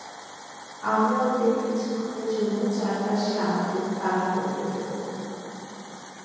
আমরা ওদের কিছুক্ষণের জন্য চারপাশে আমাদের তাড়া করতে দেব।